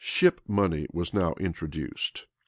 } Ship money was now introduced.